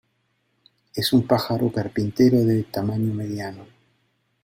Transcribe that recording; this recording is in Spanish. Es un pájaro carpintero de tamaño mediano.